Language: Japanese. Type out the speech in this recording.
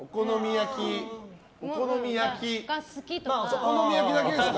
お好み焼き。が何ですか？